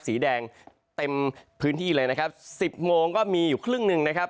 สีแดงเต็มพื้นที่เลยนะครับสิบโมงก็มีอยู่ครึ่งหนึ่งนะครับ